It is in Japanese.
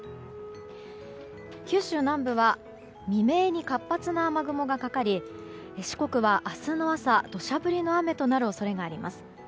九州南部は未明に活発な雨雲がかかり四国は明日の朝土砂降りの雨となる恐れがあります。